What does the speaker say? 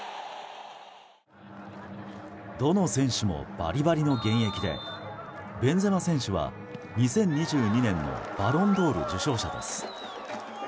どの選手もバリバリの現役でベンゼマ選手は２０２２年のバロンドール受賞者です。